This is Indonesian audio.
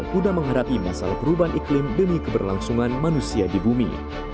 guna menghadapi masalah perubahan iklim demi keberlangsungan manusia di bumi